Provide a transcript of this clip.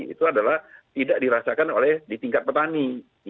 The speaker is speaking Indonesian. itu adalah tidak dirasakan oleh di tingkat petani